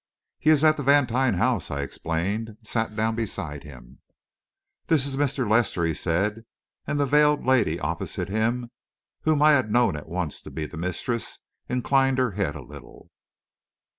"He is at the Vantine house," I explained, and sat down beside him. "This is Mr. Lester," he said, and the veiled lady opposite him, whom I had known at once to be the mistress, inclined her head a little.